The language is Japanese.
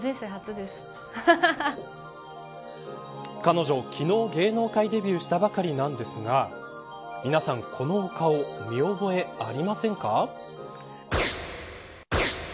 彼女、昨日芸能界デビューしたばかりなんですが皆さん、このお顔見覚えありませんか。